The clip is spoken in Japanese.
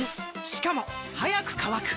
しかも速く乾く！